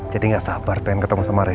jadi gak sabar pengen ketemu sama rena